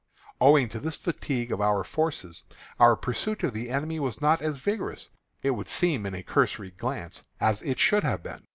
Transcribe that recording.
Owing to this fatigue of our forces, our pursuit of the enemy was not as vigorous, it would seem in a cursory glance, as it should have been.